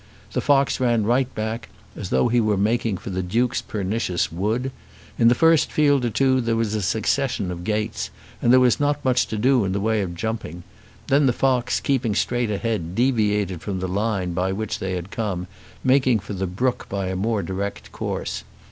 The fox ran right back, as though he were making for the Duke's pernicious wood. In the first field or two there was a succession of gates, and there was not much to do in the way of jumping. Then the fox, keeping straight ahead, deviated from the line by which they had come, making for the brook by a more direct course.